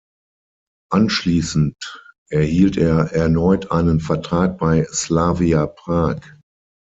Anschließend erhielt er erneut einen Vertrag bei Slavia Prag.